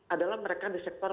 adalah mereka di sektor